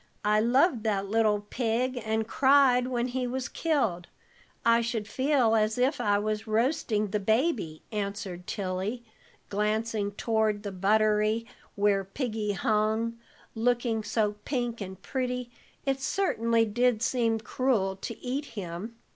I loved that little pig, and cried when he was killed. I should feel as if I was roasting the baby," answered Tilly, glancing toward the buttery where piggy hung, looking so pink and pretty it certainly did seem cruel to eat him.